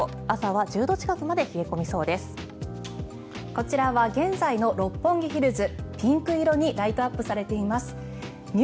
こちらは現在の六本木ヒルズ。